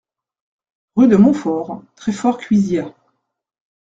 Rue de Montfort, Treffort-Cuisiat